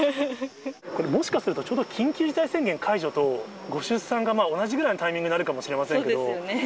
これ、もしかすると、ちょうど緊急事態宣言解除とご出産が同じぐらいのタイミングになそうですよね。